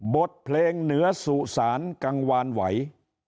บทเพลงเหนือสุสานกังวานไหว